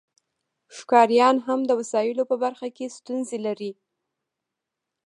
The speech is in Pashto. ښکاریان هم د وسایلو په برخه کې ستونزې لري